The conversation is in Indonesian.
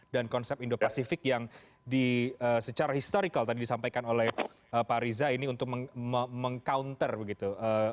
dan konsep indo pasifik yang secara historical tadi disampaikan oleh pak riza ini untuk meng counter begitu